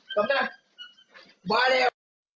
สำนักมาแล้ว